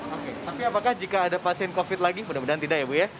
oke tapi apakah jika ada pasien covid lagi mudah mudahan tidak ya bu ya